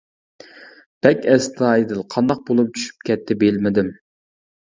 بەك ئەستايىدىل، قانداق بولۇپ چۈشۈپ كەتتى بىلمىدىم.